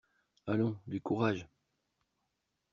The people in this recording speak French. Allons, du courage!